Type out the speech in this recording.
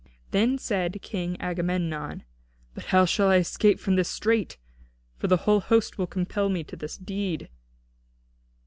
Then said King Agamemnon: "But how shall I escape from this strait? For the whole host will compel me to this deed?"